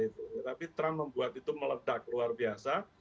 tapi trump membuat itu meledak luar biasa